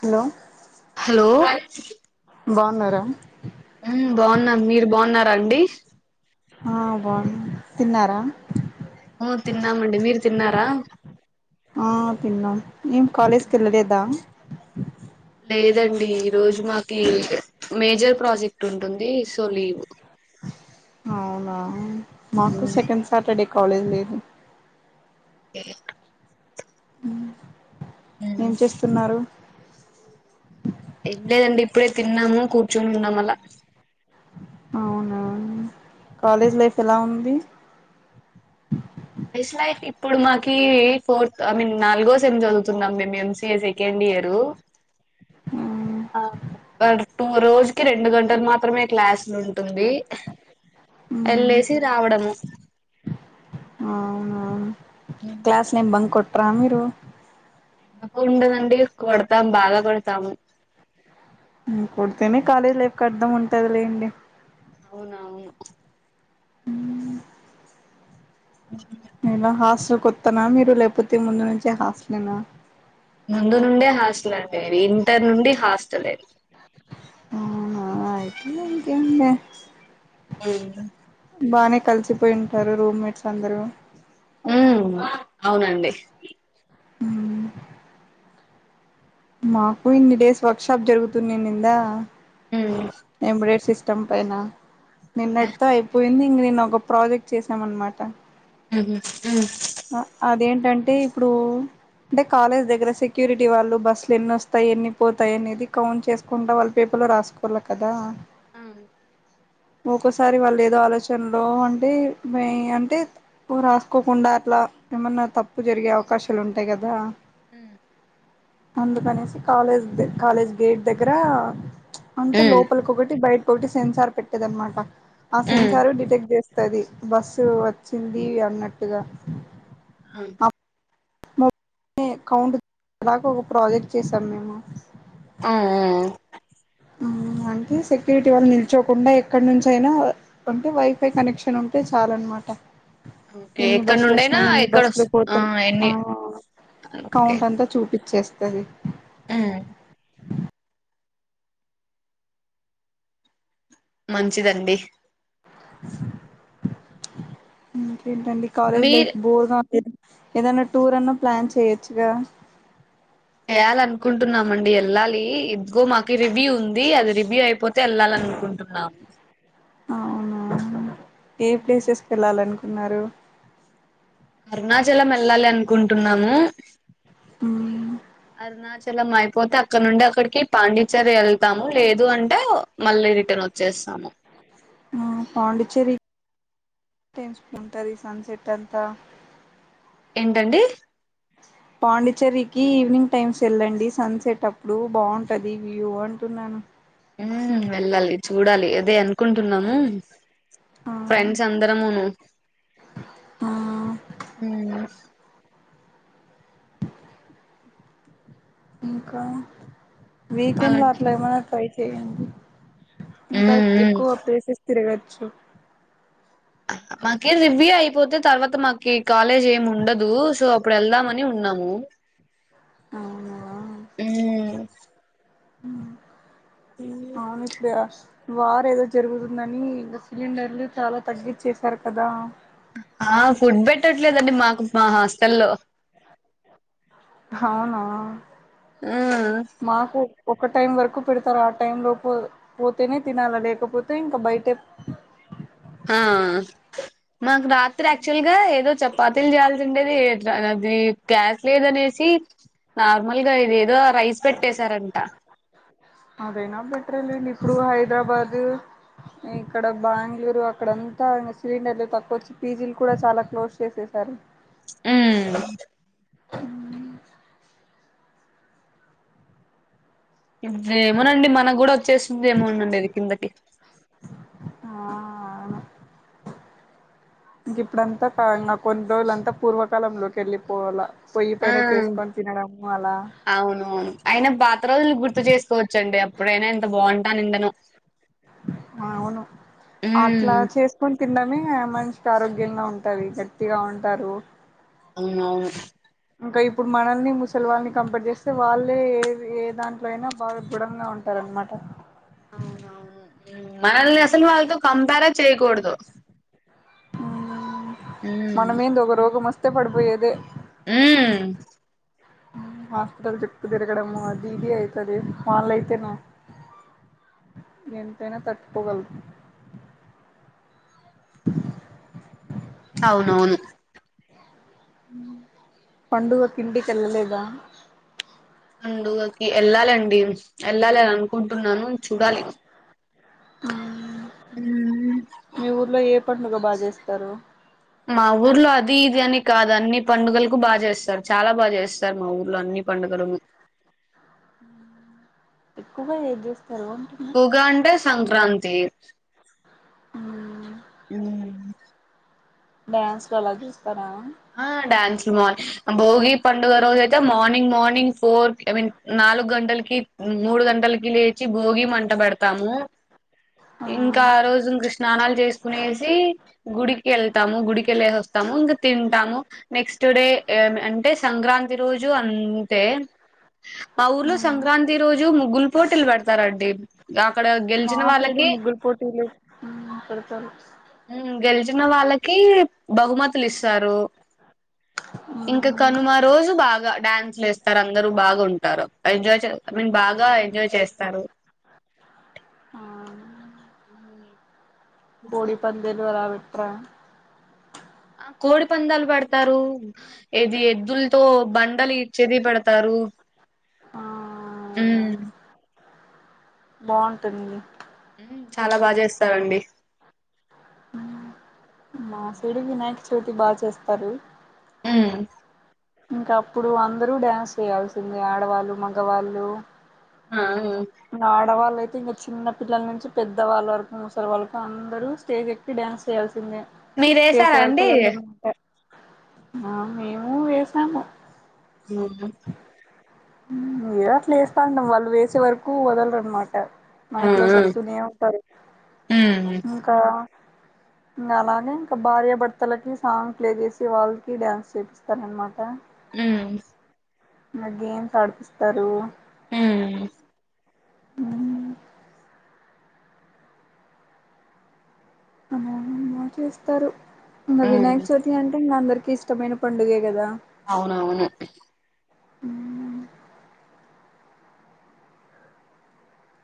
Hello hello బావున్నారా ఉమ్మ్ బావున్నాం మీరు బావున్నారా అండి ఆ బావు [unintelligible] తిన్నారా ఊ తిన్నామండి మీరు తిన్నారా ఆ తిన్న ఏం కాలేజ్ కెళ్ళలేదా లేదండి ఈ రోజు మాకి మేజర్ ప్రాజెక్ట్ ఉంటుంది సో లీవ్ అవునా మాకు ఉమ్, సెకండ్ సాటర్డే కాలేజ్ లేదు ఏఓ ఉమ్మ్ ఉమ్. ఏం చేస్తున్నారు ఏం లేదండి ఇప్పుడే తిన్నాము కూర్చొని ఉన్నాం అలా అవునా కాలేజ్ లైఫ్ ఎలా ఉంది యస్ లైఫ్ ఇప్పుడు మాకి ఫోర్త్ ఐ మీన్ నాలుగో సెమ్ చదువుతున్నాం మేము M C A second year అర్ టూ రోజుకి రెండు గంటలు మాత్రమే క్లాసులున్ టుంది ఎల్లేసి రావడము అవునా ట్రా మీరు దుకుండదండి కొడతాం బాగా కొడతాము ఉమ్ కొడితేనే కాలేజ్ లైఫ్ కు అర్ధం ఉంటాది లేండి అవునవును హ్మ్ నాన్న హాస్ [unintelligible] కొత్తనా మీరు లేకపోతే ముందు నుంచే హాస్టలేనా ముందు నుండే హాస్టలా ఇంటర్ నుండి హాస్టలే అవునా ఐ [inaudible] ఇంకేం లే ఏమీ బానే కలిసిపోయి ఉంటారు రూమ్మేట్స్ అందరూ ఉ అవునండి మాకు ఇన్ని డేస్ వర్క్ షాప్ జరుగుతుంది నిందా ఉమ్ ఎబుడే సిస్ చంపేన నిన్నడుతే అయిపోయి ఏంది ఇంక నినా ఒక ప్రాజెక్ట్ చేసామ అనమాట ఉ అదేంటంటే ఇప్పుడు అంటే కాలేజ్ దగ్గర సెక్యూరిటీ వాళ్ళు బస్సులు ఎన్నిొస్తాయి ఎన్ని పోతాయి అనేది కౌంట్ చేసుకుంటా వాళ్ళ పేపర్లు రాసుకోవాల కదా. అ ఒక్కోసారి వాళ్ళలేదుో ఆలోచనలో అంటే అంటే రాసుకోకుండా అట్లా ఏమన్నా తప్పు జరిగే అవకాశాలు ఉంటాయి కదా. ఉ అందుకనేసి కాలేజ్ కాలేజ్ గేట్ దగ్గర అంటే ఉమ్ లోపలికొకటి బయట ఒకటి సెన్సార్ పెట్టేద అనమాట ఆ ఉమ్ ఉమ్ సెన్సారు డిటెక్ట్ చేస్తుంది బస్సు వచ్చింది అన్నట్టుగా. అ అ నే కౌంట్ [inaudible] దాకా ఒక ప్రాజెక్ట్ చేసాం మేము ఆ ఆ అంటే సెక్యూరిటీ వాళ్ళు నిల్చోకుండా ఎక్కడి నుంచ అయినా అంటే వైఫై కనెక్షన్ ఉంటే చాల అనమాట. ఓకే ఎన్ని ఎక్కడ బస్సులు నుండైనా వచ్చినాయి ఎన్ని ఎక్కడొస్ బస్సులు ఆ పోతా ఎన్ని ఆ కౌంట్ అంతా చూపి చేస్తది ఉ మంచిదండి ఉ ఏంటండి కాలేజ్ మీరు లైఫ్ బోర్ గా ఏదైనా టూర్ అన్నా ప్లాన్ చేయొచ్చుగా చేయాల అనుకుంటున్నామాండీ వెళ్ళాలి ఇదిగో మాకి రివ్యూ ఉంది అది రివ్యూ అయిపోతే ఏళ్ళాల అనుకుంటున్నాము అవున ఏ ప్లేసెస్కి వెళ్ళాలిను ఉన్నారు అరుణాచలం ఏళ్లాలి అనుకుంటున్నాము అరుణాచల్ చలం అయిపోతే అక్కడ నుండి అక్కడికి పాండిచరి ఏళ్తాము లేదు అంటే మళ్ళీ రిటన్ వచ్చేస్తాము. పాండిచ్చేరి [inaudible] టైమ్స్ ఉంటుంది సన్సెట్ అంతా. ఏంటండి పాండిచరికి ఈవినింగ్ టైమ్స్ ఏళ్ళండి సన్సెట్ అప్పుడు బాగుంటంది వ్యూ అంటున్నాను. ఉ వెళ్ళాలి చూడాలి అదే అనుకుంటున్నాము ఆ ఫ్రెండ్స్ అందరమును ఆ ఉ ఇంకా వీకెండ్ లో పాలండి అట్ల ఏమైనా ట్రై ఏముంది ఉమ్ ఇంకా ఉమ్ ఎక్కువ ప్లేసెస్ తిరగద్ చ్చు మాకి రివ్యూ అయిపోతే తర్వాత మాకు కాలేజ్ ఏమ్ ఉండదు సో అప్పుడు వెళ్దామని ఉన్నాము అవునా ఉ హ అవును ఇప్పుడే [unintelligible] వార్ ఏదో జరుగుతుందని ఇంగ సిలిండర్లు చాలా తగ్గిచ్చేసారు కదా ఆ ఫుడ్ బెట్టట్లేదండి మాకు మా బా హాస్టల్లో హవునా ఉమ్ మాకు ఒక టైం వరకు పెడతారు ఆ టైం లోపు పోతేనే తినాలా లేకపోతే ఇంకా బయటే హా మాకు రాత్రి యాక్చువల్ గా ఏదో చపాతీలు చేయాల్సి ఉండేది ఎట్లా అది గ్యాస్ లేదనేసి నార్మల్ గా ఇది ఏదో రైస్ పెట్ అదైనా బెట్రే లేండి ఇప్పుడు హైదరాబాదు ఇక్కడ బాంగళూరు అక్కడంతా ఇంగ సిలిండర్లు తక్కువ వచ్చి పీజీలు కూడా చాలా క్లోజ్ చేసేసారు అ ఏమోనండి మన గూడొ చేస్తుంది ఏమో నండి అది కిందకి ఆహ ఇంక ఇప్పుడంతా నా కొన్ని రోజులంతా పూర్వకాలంలోకి వెళ్ళిపోవాలా ఆ అవును అయిన పాత రోజులు గుర్తు చేసుకోవచ్చండి అప్పుడైనా ఎంత బాగుంటాన్నిండ నొ అవును ఉమ్ అట్లా చేసుకొని తిండమే మనిషికి ఆరోగ్యంగా ఉంటది గట్టిగా ఉంటారు అవునవును ఇంకా ఇప్పుడు మనల్ని ముసలి వాళ్ళని కంపేర్ చేస్తే వాళ్ళే ఏ ఏ దాంట్లో అయినా బాగా దృఢంగా ఉంటారు అనమాట అవునవును మనల్ని అసలు వాళ్ళతో కంప్యారే చేయకూడదు ఉమ్ మనమేంది ఒగ రోగం వస్ వత్తే పడిపోయేదే ఊ హాస్పిటల్ చుట్టు తిరగడము అది ఇది అయితది వాళ్ళైతేను ఎంతైనా తట్టుకోగలరు [inaudible] అవునవును పండుగకి ఇంటికి వెళ్ళలేదా పండుగకి ఎళ్ళాలండి ఎళ్ళాలని అనుకుంటున్నాను చూడాలి అవును మీ ఊర్లో ఏ ఇప్పడు నుగ బాగా చేస్తారు మా ఊర్లో అది ఇది అని కాదు అన్ని పండుగలకు బాగా చేస్తారు చాలా బాగా చేస్తారు మా ఊర్లో అన్ని పండుగలను ఎక్కువగా ఏజస్త పగాంటే సంక్రాంతి అ ఇ న్స్ వా చసుస్తారా ఆ డ్యాన్స్లు మ భోగి పండుగ రోజు అయితే morning morning four I mean నాలుగు గంటలకి మూడు గంటలకి లేచి భోగి మంట పెడతాము ఇంకా ఆ రోజు ఇంక స్నానాలు చేసుకునేసి గుడికి వెళ్తాము గుడికిళ్ళసి వస్తాము ఇంకా తం టము నెక్స్ట్ డే అంటే సంక్రాంతి రోజు అంతే మా ఊర్లో సంక్రాంతి రోజు ముగ్గుల్ పోటీలు పడత సర అడి మాకైడి మగుల్ పోటిలు మాెడతారు చ్చిన వాళ్ళకి బహుమతులు ఇస్త సారు ఇంకా కనుమ రోజు బాగా డ్యాన్స్ లేస్తారు అందరూ బాగుంటారు ఎంజాయ్ చే మీన్ బాగా ఎంజాయ్ చేస్తారు ఆ కోడి పం దీని మీద అభిప్రాయం కోడి పందాలు పెడతారు ఏది ఎద్దులతో బండలు ఇచ్చేది పెడతారు ఆ హ్మ్ బావుంటుంది చాలా బా చేస్తారండి మా హ్మ్ సైడ్ వినాయ చవితి బా చేస్తారు హ్మ్ ఇంకా అప్పుడు అందరూ డ్యాన్స్ చేయాల్సిందే ఆడవాళ్ళు మగవాళ్ళు ఆ ఆ! ఆడవాళ్ళయి అయితే ఇంకా చిన్న పిల్లల నుంచి పెద్ద వాళ్ళ వరకు ముసలి వాళ్ళ వరకు అందరు స్టేజ్ ఎక్కి డాన్స్ చేయాల్సి సిందే చేసే మీరేసారా అండి వాళ్ళ [unintelligible] ఆ మేము వేసాము ఊహూ హు ఏదో అట్లా ఏస్తాండు వాళ్ వేసే వరక్ కూ వదలరన్ మాట ఆ మైక్లో ఆ సెప్తూనే ఉంటారు హ్మ్ ఇంకా ఇంకా అలానే ఇంకా భార్య భర్తలకి సాంగ్ ప్లే చేసి వాళ్ళకి డ్యాన్స్ చేపిస్తారనమాట హ్మ్మ్ మగేం ఆడిపిస్తారు. హ్మ్మ్ అమో అమ్మ చేస్తారు ఇంకా వినాయక హ్మ్ చవితి అంటే ఇంగ అంద కి ఇష్టమైన పండుగే కదా! అవునవును. హ్మ్మ్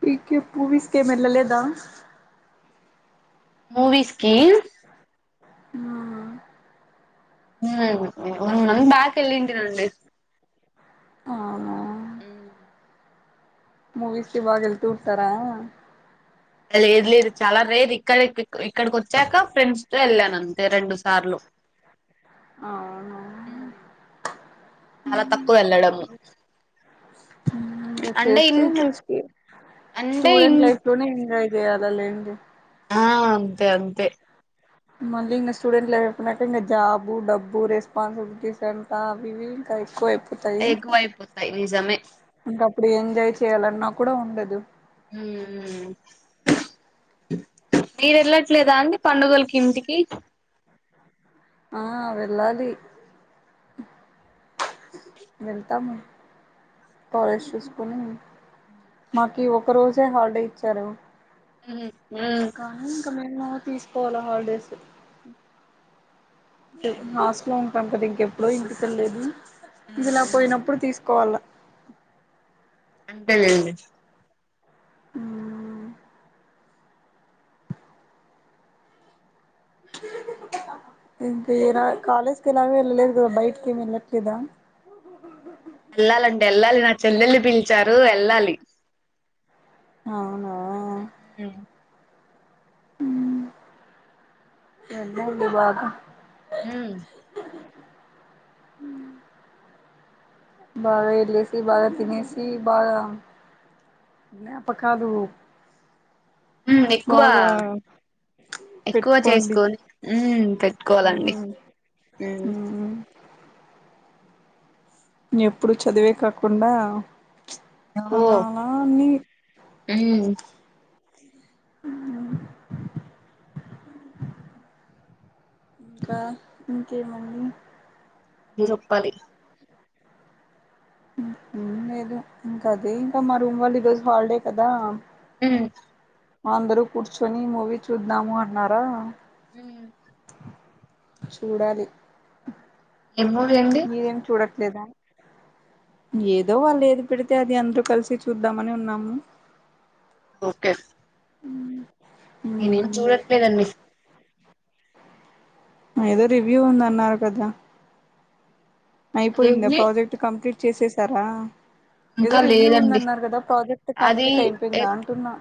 పీకి పూవిస్కి ఏమ్ ఎల్లలేదా? మూవీస్కి. ఆ మ్ మ్ బ్యాక్ ఎళ్లింటి అండి ఆ ఆ మ్ మూవీస్కి బాగా వెళ్తూ ఉంటారా? లేదు లేదు చాలా రేర్ ఇక్కడ ఇక్కడికి వచ్చాక ఫ్రెండ్స్తో వెళ్ళాను అంతే రెండు సార్లు అవునా చాలా తక్కువ వెళ్ళడము ఇంకా అంటే చేస్తే ఇంట్ల ఇంకా అంటే ఇం దయాల్ల లేండి ఆ అంతే అంతే మళ్ళీ ఇంకా స్టూడెంట్లుపోయినాక ఇంకా జాబు డబ్బు రెస్పాన్సిబిలిటీస్ అంట అవి ఇవి ఇంకా ఎక్కువయిపోయ ఎక్కువ ఐపోతాయి నిజమే! ఇప్పుడు ఎంజాయ్ చేయాలన్నా కూడా ఉండదు మ్ మ్ మీరు వెళ్లట్లేదా అండి పండుగలకి ఇంటికి ఆ వెళ్ళాలి వెళ్తాము. కాలేజ్ చూసుకుని మాకు ఒక్క రోజే హాలిడే ఇచ్చారు. మ్ కానీ మేమా తీసుకోవాలి హాలిడేస్. హస్ట్లో ఉంటాం కదా ఇం ఎప్పుడో ఇంటితం లేదు. ఇదిలా ఉమ్ పోయినప్పుడు తీసుకోవల్ల [inaudible] అంతేలేండి. మ్ మ్ ఇంకా ఇరా కాలేజ్ కి ఎలాగో వెళ్ళలేదు కదా? బైటికేమి ఎల్లట్లేదా? వెళ్లాలండి వెళ్లాలి నా చెల్లెల్ని పిలిచారు వెళ్లాలి. ఔనా! [unintelligible] మ్ ఎన్నడి భాగం హ్మ్మ్ హ్మ్మ్ బాగా వెళ్ళసి బాగా తినేసి బాగా జ్ఞాపకాలు ఉ ఎక్కువ బాగా ఎక్కువ పెట్టుకోండి చేసుకోని హు పెట్టుకోవాలండి ఉమ్ ఉహు ఉమ్ ఎప్పుడు చదివే కాకుండా ఓ అలా అలా అన్ని ఊ అవునా ఇంకా ఇంకేమండి మీరోప్పాలి ఉహు లేదు ఇంకా అది ఇంకా మా రూమ్ వాళ్ళు ఈ రోజు హాలిడే కదా హు అందరుూ కూర్చుని మూవీ చూద్దాము అన్నారా ఊ చూడాలి ఏం మూవీ అండి లేదా ఏదో వాళ్ళు ఏది పెడితే అది అందరూ కలిసి చూద్దామని ఉన్నాము ఓకే అవునా నేను ఏం చూడట్లేదండి ఏదో రివ్యూ ఉందన్నారు కదా అయిపోయింద అదేంది ప్రాజెక్ట్ కంప్లీట్ చేసేసారు ఇంకా లేదండి అది కంప్లీట్ ఏ అయిపోయిందా అంటున్నా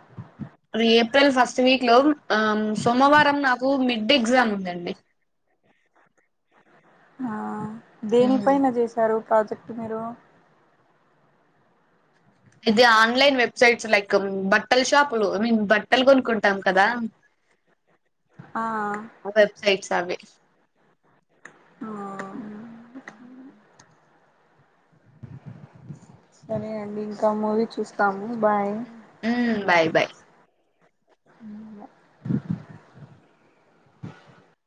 అది ఏప్రిల్ ఫస్ట్ వీక్ లో అ సోమవారం నాకు మిడ్డే ఎగ్జామ్ ఉందండి అహా దేని పైన చేసారు ప్రాజెక్ట్ మీరు ఇది ఆన్లైన్ వెబ్సైట్స్ లెక్క బట్టల షాపులు మీన్ బట్టలు కొనుకుంటాం కదా ఆ ఆ వెబ్సైట్స్ అవి ఆ [unintelligible] సరే అండి ఇంకా మూవీ చూస్తాము బాయ్ హు బాయ్ బాయ్ హు బాయ్